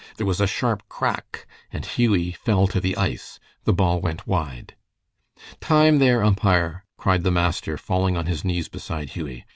There was a sharp crack, and Hughie fell to the ice. The ball went wide. "Time, there, umpire!" cried the master, falling on his knees beside Hughie.